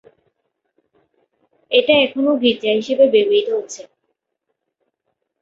এটা এখনো গীর্জা হিসেবে ব্যবহৃত হচ্ছে।